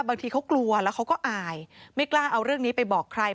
บางทีเขากลัวแล้วเขาก็อายไม่กล้าเอาเรื่องนี้ไปบอกใคร